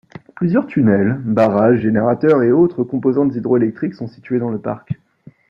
Plusieurs tunnels, barrages, générateurs et autres composantes hydroélectriques sont situés dans le parc.